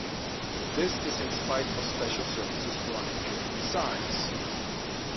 This is in spite of special services running during these times.